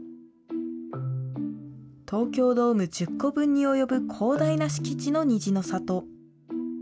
東京ドーム１０個分に及ぶ広大な敷地の虹の郷。